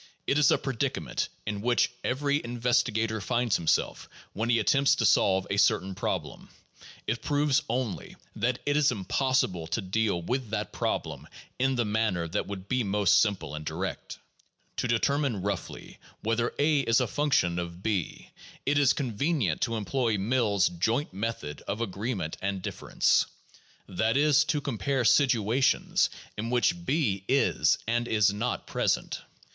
It is a predicament in which every investigator finds himself when he attempts to solve a certain problem. It proves only that it is impos sible to deal with that problem in the manner that would be most simple and direct. To determine roughly whether a is a function of o, it is convenient to employ Mill's "Joint Method of Agreement and Difference," that is, to compare situations in which b is and is not present.